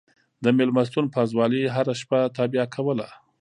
د مېلمستون پازوالې هره شپه تابیا کوله.